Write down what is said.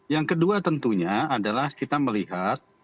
yang kedua tentunya adalah kita melihat